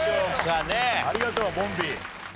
ありがとうボンビー。